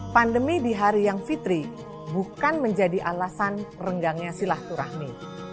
pandemi di hari yang fitri bukan menjadi alasan renggangnya silaturahmi